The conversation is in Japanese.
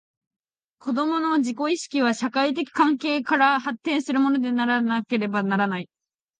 子供の自己意識は、社会的関係から発展するものでなければならない。